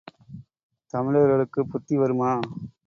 தமிழர்களுக்குப் புத்தி வருமா?